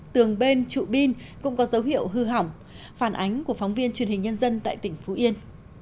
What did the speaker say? tường bên trụ bin cũng có dấu hiệu hư hỏng phản ánh của phóng viên truyền hình nhân dân tại tỉnh phú yên